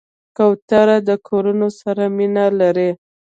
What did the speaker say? کوتره د کورونو سره مینه لري.